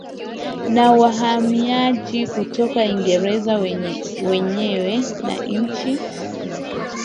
na wahamiaji kutoka Uingereza wenyewe na nchi